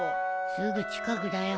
すぐ近くだよ。